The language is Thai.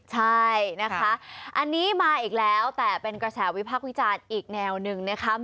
ใช่นะคะอันนี้มาอีกแล้วแต่เป็นกระแสวิพักษ์วิจารณ์อีกแนวหนึ่งนะคะ